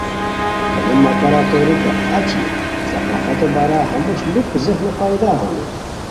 ہے لو مہ کارہ توریکا اچی ثقافتو بارا ہموݰ ُلو ذہنہ پیدا ہونی